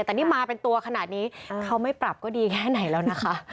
แต่นี่มาเป็นตัวขนาดนี้เขาไม่ปรับก็ดีแค่ไหนแล้วนะคะ